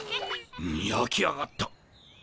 やき上がった。